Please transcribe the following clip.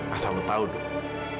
asal lu tau dok